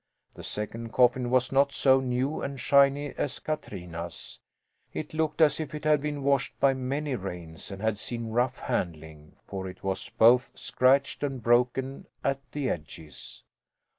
The second coffin was not so new and shiny as Katrina's. It looked as if it had been washed by many rains, and had seen rough handling, for it was both scratched and broken at the edges.